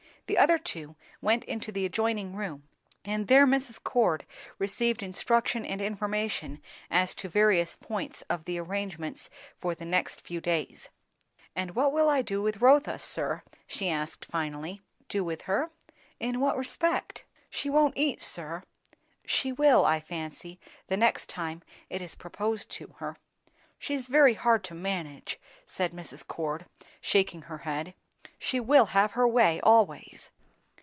The other two went into the adjoining room, and there Mrs. Cord received instruction and information as to various points of the arrangements for the next few days. "And what will I do with Rotha, sir?" she asked finally. "Do with her? In what respect?" "She won't eat, sir." "She will, I fancy, the next time it is proposed to her." "She's very hard to manage," said Mrs. Cord, shaking her head. "She will have her own way, always."